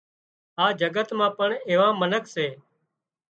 آ جڳت مان پڻ ايوان منک سي